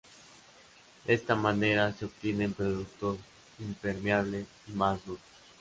De esta manera se obtienen productos impermeables y más duros.